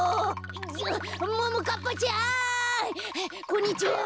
こんにちは。